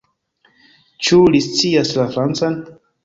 Ĉu li scias la Francan?